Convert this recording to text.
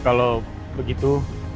bu kalau begitu